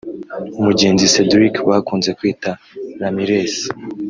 Mugenzi Cedrick bakunze kwita ‘Ramires’